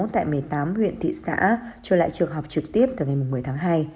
tại một mươi tám huyện thị xã trở lại trường học trực tiếp từ ngày một mươi tháng hai